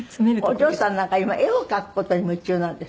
お嬢さんなんか今絵を描く事に夢中なんですって？